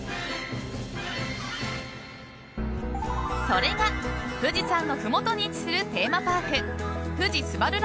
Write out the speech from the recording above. それが、富士山のふもとに位置するテーマパーク富士すばる